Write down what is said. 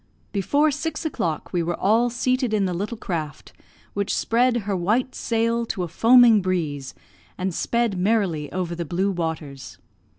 Before six o'clock we were all seated in the little craft, which spread her white sail to a foaming breeze, and sped merrily over the blue waters.